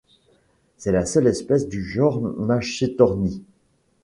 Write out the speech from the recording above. C'est la seule espèce du genre Machetornis.